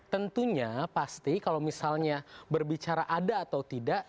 tentunya pasti kalau misalnya berbicara ada atau tidak